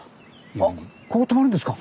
あっここ泊まるんですか？